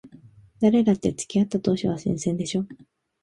誰だって付き合った当初は新鮮でしょ。